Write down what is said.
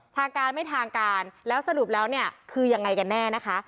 ทางการไม่ทางการแล้วสรุปแล้วเนี่ยคือยังไงกันแน่นะคะ